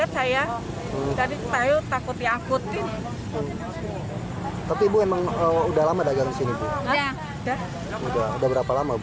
sudah berapa lama bu